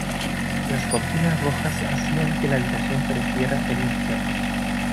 Las cortinas rojas hacían que la habitación pareciera el infierno.